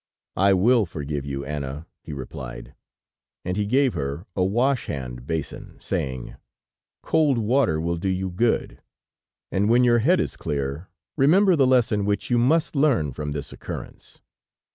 "I will forgive you, Anna," he replied, and he gave her a wash hand basin, saying: "Cold water will do you good, and when your head is clear, remember the lesson which you must learn from this occurrence."